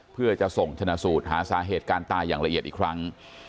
เพื่อจะส่งชนะสูตรหาสาเหตุการตายอย่างละเอียดอีกครั้ง